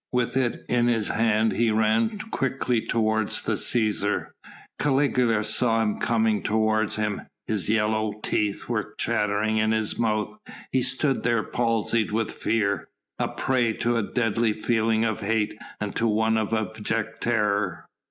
With it in his hand he ran quickly toward the Cæsar. Caligula saw him coming towards him, his yellow teeth were chattering in his mouth, he stood there palsied with fear, a prey to a deadly feeling of hate and to one of abject terror.